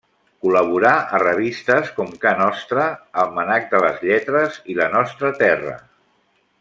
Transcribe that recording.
Col·laborà a revistes com Ca Nostra, Almanac de les Lletres i La Nostra Terra.